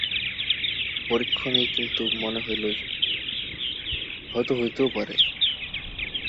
পরীক্ষণেই কিন্তু মনে হইল হয়তো হইতেও পারে।